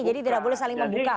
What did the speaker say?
jadi tidak boleh saling membuka